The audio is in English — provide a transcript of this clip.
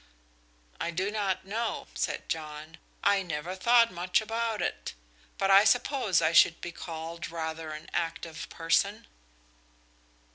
"I do not know," said John. "I never thought much about it. But I suppose I should be called rather an active person."